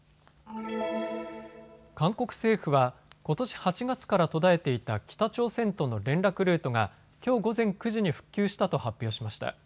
韓国政府は、ことし８月から途絶えていた北朝鮮との連絡ルートがきょう午前９時に復旧したと発表しました。